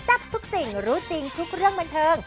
ทับทุกสิ่งรู้จริงทุกเรื่องบันเทิง